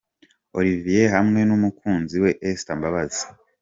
Olivier hamwe n'umukunzi we Esther Mbabazi.